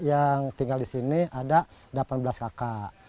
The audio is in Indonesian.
yang tinggal di sini ada delapan belas kakak